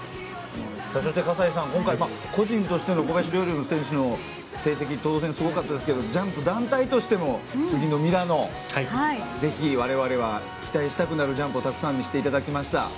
そして葛西さん、今回個人としての小林陵侑選手の成績は当然、すごかったですがジャンプ団体としても次のミラノ、我々は期待したくなるジャンプをたくさん見せていただきました。